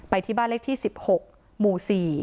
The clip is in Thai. ที่บ้านเลขที่๑๖หมู่๔